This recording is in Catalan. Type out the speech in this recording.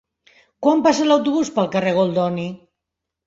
Quan passa l'autobús pel carrer Goldoni?